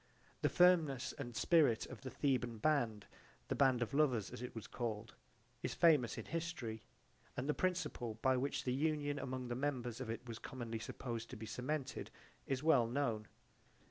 The firmness and spirit of the Theban band the band of lovers as it was called is famous in history; and the principle by which the union among the members of it was commonly supposed to be cemented is well known.